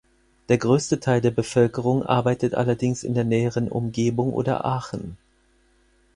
Der größte Teil der Bevölkerung arbeitet allerdings in der näheren Umgebung oder Aachen.